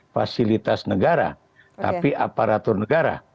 fasilitas negara tapi aparatur negara